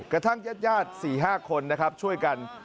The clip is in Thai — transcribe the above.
กระทั่งญาติ๔๕คนนะครับช่วยกัน